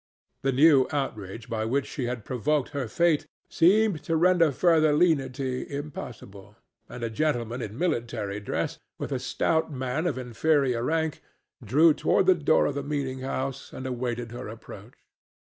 The new outrage by which she had provoked her fate seemed to render further lenity impossible, and a gentleman in military dress, with a stout man of inferior rank, drew toward the door of the meetinghouse and awaited her approach.